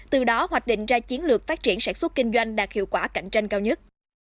từ đó hoạch định ra chiến lược phát triển sản xuất kinh doanh đạt hiệu quả cạnh tranh cao nhất